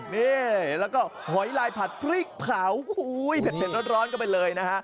นี่แล้วก็หอยลายผัดพริกเผาโอ้โหเผ็ดร้อนกันไปเลยนะฮะ